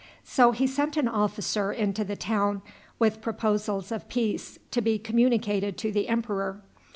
So he sent an officer into the town with proposals of peace to be communicated to the emperor.